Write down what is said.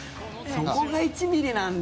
そこが１ｍｍなんだ。